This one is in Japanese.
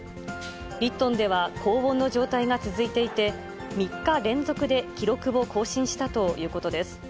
リットンでは高温の状態が続いていて、３日連続で記録を更新したということです。